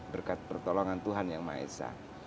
berkat pertolongan tuhan yang maesah